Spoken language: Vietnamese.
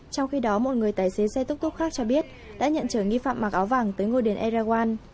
trong khi đó một người tài xế xe túc túc khác cho biết đã nhận trở nghi phạm mặc áo vàng tới ngôi đền erawan